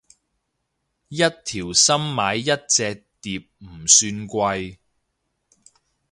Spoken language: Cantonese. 一條心買一隻碟咪唔貴